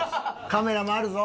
カメラもあるぞ。